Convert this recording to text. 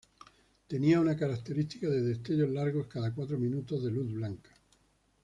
Tenía una característica de destellos largos cada cuatro minutos de luz blanca.